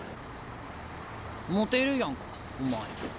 モテるやんかお前。